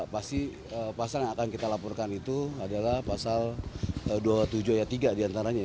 pasti pasal yang akan kita laporkan itu adalah pasal dua puluh tujuh ayat tiga diantaranya